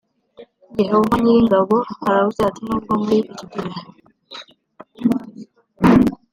yehova nyir ingabo aravuze ati nubwo muri iki gihe